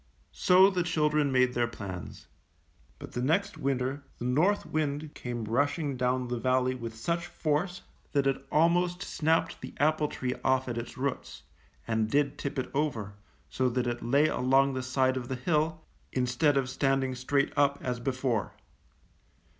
So the children made their plans, but the THE KING OF THE ORCHARD. 103 next winter the North wind came rushing down the valley with such force that it almost snapped the apple tree off at its roots, and did tip it over, so that it lay along the side of the hill, instead of standing straight up as before.